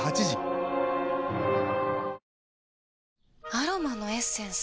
アロマのエッセンス？